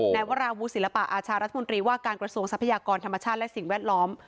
วราวุศิลปะอาชารัฐมนตรีว่าการกระทรวงทรัพยากรธรรมชาติและสิ่งแวดล้อม